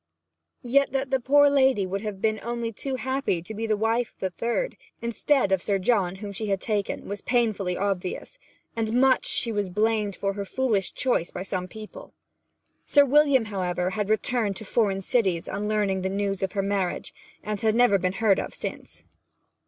Yet that the poor lady would have been only too happy to be the wife of the third, instead of Sir John whom she had taken, was painfully obvious, and much she was blamed for her foolish choice by some people. Sir William, however, had returned to foreign cities on learning the news of her marriage, and had never been heard of since.